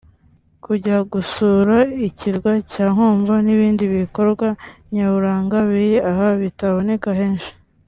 kujya gusura ikirwa cya Nkombo n’ibindi bikorwa nyaburanga biri aha bitaboneka henshi